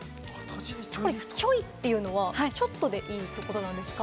「ちょい」っていうのは、ちょっとでいいんですか？